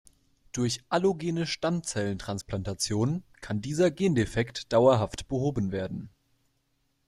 Durch allogene Stammzelltransplantation kann dieser Gendefekt dauerhaft behoben werden.